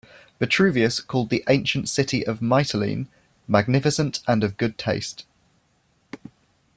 Vitruvius called the ancient city of Mytilene "magnificent and of good taste".